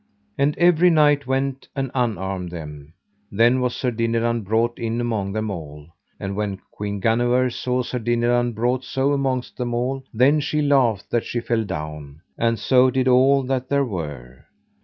And every knight went and unarmed them. Then was Sir Dinadan brought in among them all. And when Queen Guenever saw Sir Dinadan brought so among them all, then she laughed that she fell down, and so did all that there were.